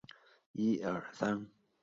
唯一通过的路线是井原铁道井原线。